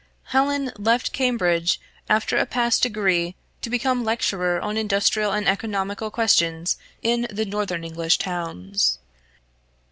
Hallin left Cambridge after a pass degree to become lecturer on industrial and economical questions in the northern English towns.